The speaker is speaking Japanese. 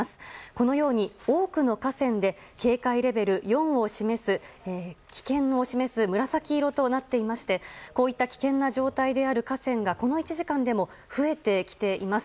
このように多くの河川で警戒レベル４を示す紫色となっていましてこういった危険な状態である河川が、この１時間でも増えてきています。